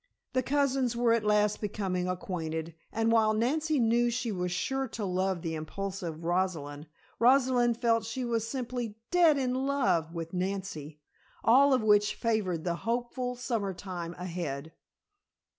The cousins were at last becoming acquainted, and while Nancy knew she was sure to love the impulsive Rosalind, Rosalind felt she was simply "dead in love" with Nancy, all of which favored the hopeful summertime ahead.